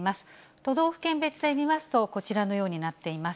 都道府県別で見ますと、こちらのようになっています。